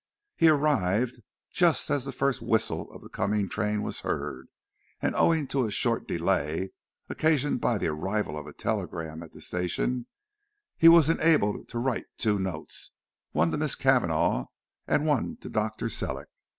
He arrived just as the first whistle of the coming train was heard, and owing to a short delay occasioned by the arrival of a telegram at the station, he was enabled to write two notes, one to Miss Cavanagh and one to Dr. Sellick.